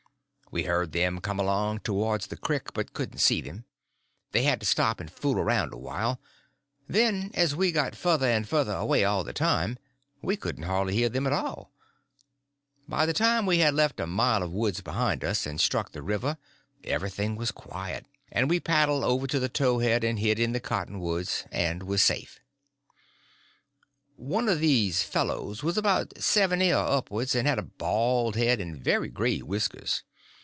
We heard them come along towards the crick, but couldn't see them; they seemed to stop and fool around a while; then, as we got further and further away all the time, we couldn't hardly hear them at all; by the time we had left a mile of woods behind us and struck the river, everything was quiet, and we paddled over to the towhead and hid in the cottonwoods and was safe. One of these fellows was about seventy or upwards, and had a bald head and very gray whiskers.